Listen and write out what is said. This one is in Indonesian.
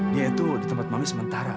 dia itu ditempat mami sementara